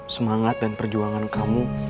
semangat dan perjuangan kamu